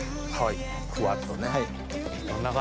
ふわっとね。